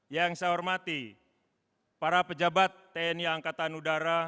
yang saya hormati para pejabat tni angkatan udara